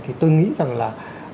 thì tôi nghĩ rằng là